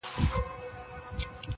د ساغورث سختې قضيې، راته راوبهيدې,